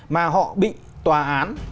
mà họ bị tòa án